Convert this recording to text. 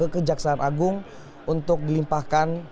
kejaksaan agung untuk dilimpahkan